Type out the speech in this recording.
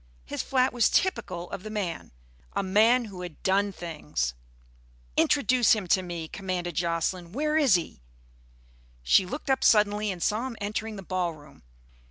His flat was typical of the man a man who had done things. "Introduce him to me," commanded Jocelyn. "Where is he?" She looked up suddenly and saw him entering the ballroom.